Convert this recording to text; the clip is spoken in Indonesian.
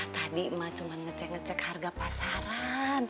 tadi mah cuma ngecek ngecek harga pasaran